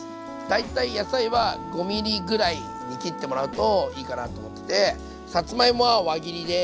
大体野菜は５ｍｍぐらいに切ってもらうといいかなと思っててさつまいもは輪切りで。